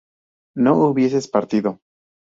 ¿no hubieseis partido?